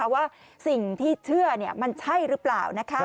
ว่าสิ่งที่เชื่อมันใช่หรือเปล่า